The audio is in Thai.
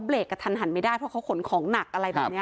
กระทันหันไม่ได้เพราะเขาขนของหนักอะไรแบบนี้